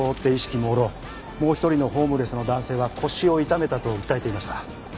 もう一人のホームレスの男性は腰を痛めたと訴えていました。